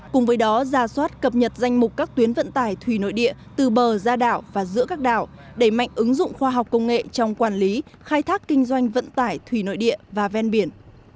cùng với đó ra soát cập nhật danh mục các tuyến vận tải thủy nội địa từ bờ ra đảo và giữa các đảo đẩy mạnh ứng dụng khoa học công nghệ trong quản lý khai thác kinh doanh vận tải thủy nội địa và ven biển